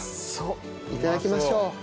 いただきましょう。